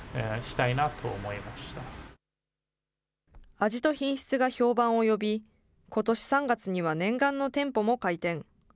味と品質が評判を呼び、ことし３月には念願の店舗も開店。